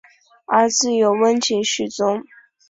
儿子有温井续宗。